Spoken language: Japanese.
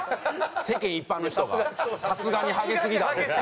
世間一般の人が「さすがにハゲすぎだろ」って。